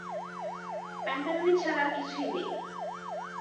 প্যানপ্যানানি ছাড়া আর কিছুই নেই।